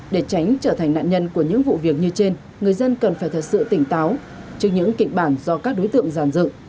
để tránh trở thành nạn nhân của những vụ việc như trên người dân cần phải thật sự tỉnh táo trước những kịch bản do các đối tượng giàn dựng